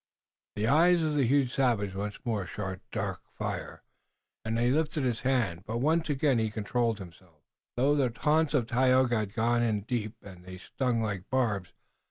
The eyes of the huge savage once more shot dark fire, and he lifted his hand, but once again he controlled himself, though the taunts of Tayoga had gone in deep and they stung like barbs.